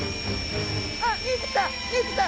あっ見えてきた！